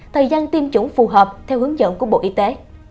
thời gian tiêm chủng phù hợp theo hướng dẫn của bộ y tế